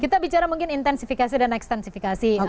kita bicara mungkin intensifikasi dan ekstensifikasi